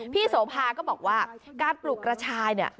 โสภาก็บอกว่าการปลูกกระชายเนี่ย